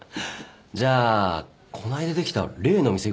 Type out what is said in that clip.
じゃあこの間できた例の店行こうぜ。